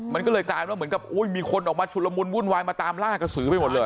มันก็เลยกลายเป็นว่าเหมือนกับอุ้ยมีคนออกมาชุดละมุนวุ่นวายมาตามล่ากระสือไปหมดเลย